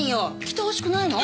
来てほしくないの？